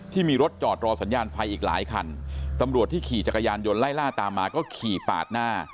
ที่มีรถจอดรอสัญญาณไฟอีกหลายคันตำรวจที่ขี่จักรยานยนต์ไล่ล่าตามมาก็ขี่ปาดหน้า